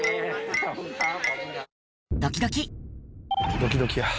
ドキドキや。